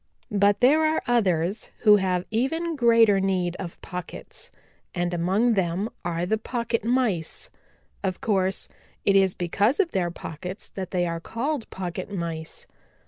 "But there are others who have even greater need of pockets, and among them are the Pocket Mice. Of course, it is because of their pockets that they are called Pocket Mice.